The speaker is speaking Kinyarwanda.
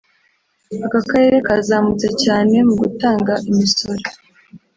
aka karere kazamutse cyane mu gutanga imisoro